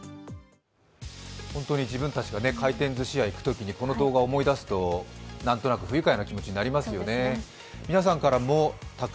本当に自分たちが回転ずし屋に行くときこの動画を思い出すとなんとなく不愉快な気持ちになりますよね。